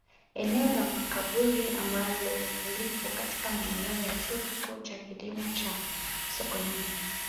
Eneo la Makaburi ambalo lipo katika maeneo ya Chuo Kikuu cha Kilimo cha Sokoine